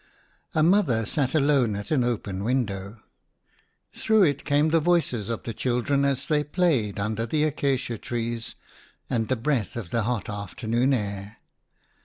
MOTHER sat alone at an open window. Through it came the voices of the chil dren as they played under the acacia trees, and the breath of the hot afternoon air.